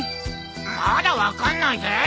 まだ分かんないぜ！